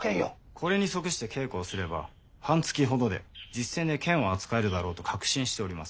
これに即して稽古をすれば半月ほどで実践で剣を扱えるだろうと確信しております。